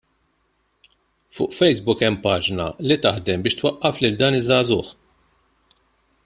Fuq Facebook hemm paġna li taħdem biex twaqqaf lil dan iż-żagħżugħ.